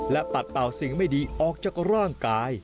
และปัดเป่าสิ่งไม่ดีออกจากร่างกาย